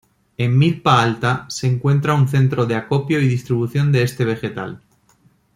En Milpa Alta se encuentra un centro de acopio y distribución de este vegetal.